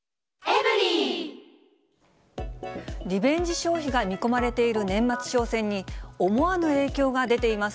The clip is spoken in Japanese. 消費が見込まれている年末商戦に、思わぬ影響が出ています。